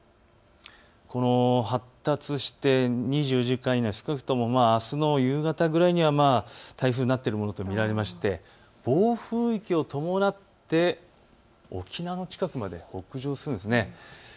発達して２４時間以内に少なくともあすの夕方ぐらいには台風になっているものと見られていて暴風域を伴って沖縄の近くまで北上するんです。